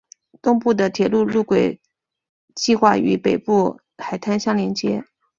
东部的铁路路轨计画与北部海滩相联接。